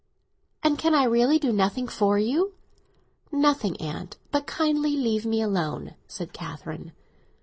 "And can I really do nothing for you?" "Nothing, aunt, but kindly leave me alone," said Catherine.